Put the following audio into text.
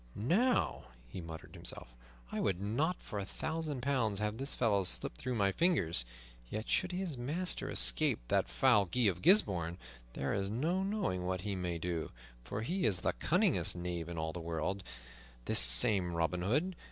"Now," he muttered to himself, "I would not for a thousand pounds have this fellow slip through my fingers; yet, should his master escape that foul Guy of Gisbourne, there is no knowing what he may do, for he is the cunningest knave in all the world this same Robin Hood.